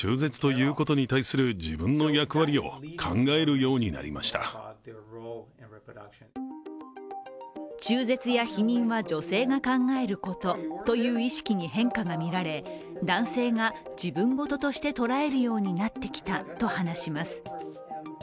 更に中絶や避妊は女性が考えることという意識に変化が見られ男性が自分事として捉えるようになってきたと話します。